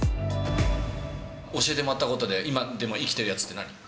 教えてもらったことで、今でも生きてるやつって何？